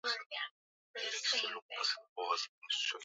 aa nafikiri mitindo ya nywele